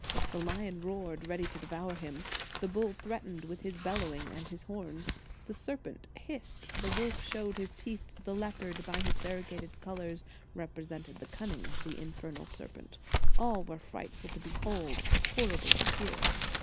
The lion roared, ready to devour him; the bull threatened with his bellowing and his horns; the serpent hissed; the wolf showed his teeth; the leopard, by his variegated colors, represented the cunning of the infernal ser pent: all were frightful to behold, horrible to hear.